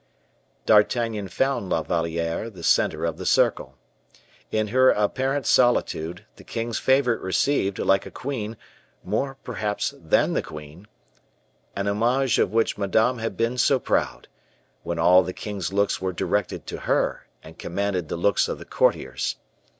D'Artagnan found La Valliere the center of the circle. In her apparent solitude, the king's favorite received, like a queen, more, perhaps, than the queen, a homage of which Madame had been so proud, when all the king's looks were directed to her and commanded the looks of the courtiers.